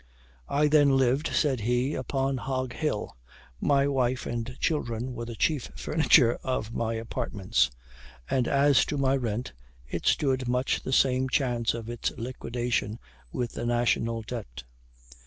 "I then lived," said he, "upon Hog hill; my wife and children were the chief furniture of my apartments; and as to my rent, it stood much the same chance of its liquidation with the national debt.